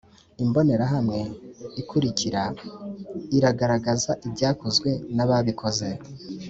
Imbonerahamwe ikurikira iragaragaza ibyakozwe n ababikoze